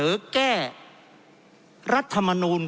เพราะเรามี๕ชั่วโมงครับท่านนึง